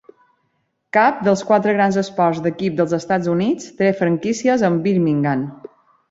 Cap dels quatre grans esports d'equip dels Estats Units té franquícies en Birmingham.